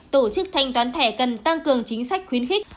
tổ chức thanh toán thẻ cần tăng cường chính sách khuyến khích